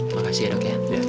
makasih ya dok ya